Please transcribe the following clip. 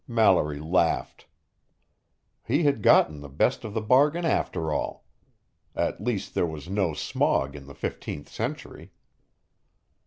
Mallory laughed. He had gotten the best of the bargain after all. At least there was no smog in the fifteenth century.